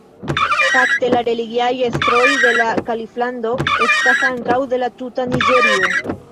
Fakte la religiaj estroj de la kaliflando estas ankaŭ de la tuta Niĝerio.